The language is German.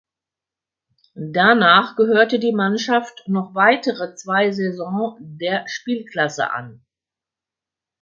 Danach gehörte die Mannschaft noch weitere zwei Saison der Spielklasse an.